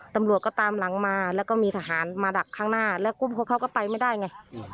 ตำรวจก็ตามหลังมาแล้วก็มีทหารมาดักข้างหน้าแล้วเขาก็ไปไม่ได้ไง